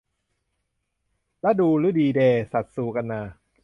ระดูฤดีแด สัตว์สู่ กันนา